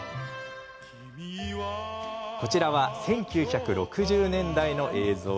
こちらは１９６０年代の映像。